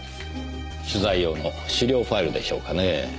取材用の資料ファイルでしょうかねぇ。